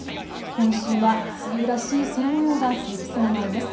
今週は梅雨らしい空もようが続きそうなんです。